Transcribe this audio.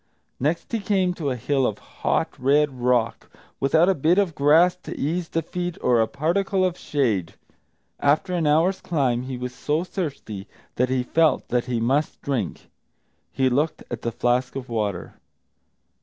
Next he came to a hill of hot, red rock, without a bit of grass to ease the feet, or a particle of shade. After an hour's climb he was so thirsty that he felt that he must drink. He looked at the flask of water.